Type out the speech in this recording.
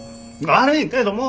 悪いけども。